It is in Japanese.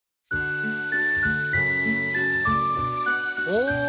お！